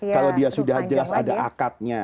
kalau dia sudah jelas ada akadnya